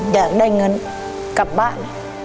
อยากได้เงินกลับบ้าน